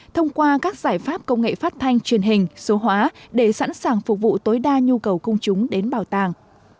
thông qua các giải pháp công nghệ phát thanh truyền hình số hóa để sẵn sàng phục vụ tối đa nhu cầu công chúng đến bảo tàng